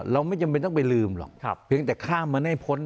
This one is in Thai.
ไม่จำเป็นต้องไปลืมหรอกเพียงแต่ข้ามมันให้พ้น